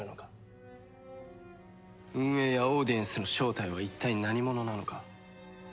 運営やオーディエンスの正体は一体何者なのか。